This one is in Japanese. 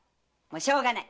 しょうがない